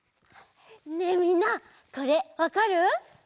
ねえみんなこれわかる？